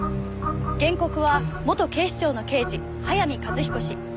原告は元警視庁の刑事早見一彦氏。